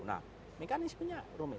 nah mekanismenya rumit